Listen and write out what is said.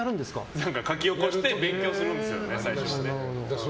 書き起こして勉強するんです。